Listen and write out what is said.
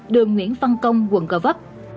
đường nguyễn văn công quận cờ vấp